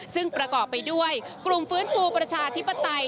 ซึ่งประกอบไปด้วยกลุ่มฟื้นฟูประชาธิปไตย